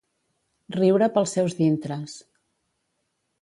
Riure pels seus dintres.